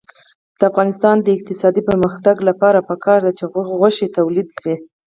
د افغانستان د اقتصادي پرمختګ لپاره پکار ده چې غوښه تولید شي.